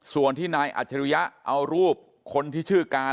ส่วนที่นายอัจฉริยะเอารูปคนที่ชื่อการ